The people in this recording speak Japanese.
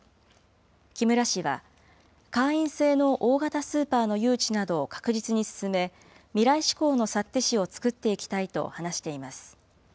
木村氏は、会員制の大型スーパーの誘致などを確実に進め、未来志向の幸手市をつくっていきたいと話しています。